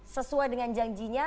sesuai dengan janjinya